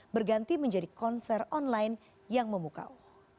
berganti menjadi konser online yang memukau